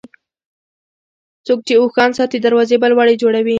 څوک چې اوښان ساتي، دروازې به لوړې جوړوي.